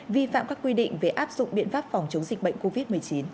vi phạm các quy định về áp dụng biện pháp phòng chống dịch bệnh covid một mươi chín